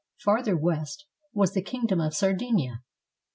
Farther west was the Kingdom of Sardinia.